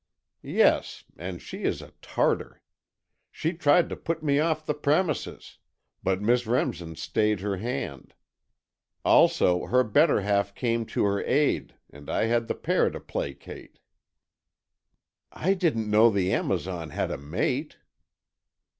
"Yes, and she is a Tartar. She tried to put me off the premises, but Miss Remsen stayed her hand. Also, her better half came to her aid and I had the pair to placate." "I didn't know the Amazon had a mate."